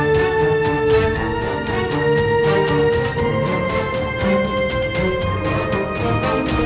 สดภาคจะมาต่ออหมดเตะง่าย